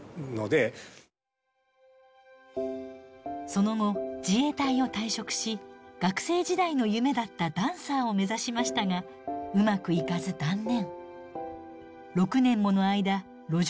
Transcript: その後自衛隊を退職し学生時代の夢だったダンサーを目指しましたがうまくいかず断念。